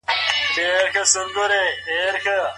رسول الله له صحابه وو څخه څه وغوښتل؟